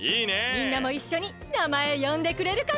みんなもいっしょになまえよんでくれるかな？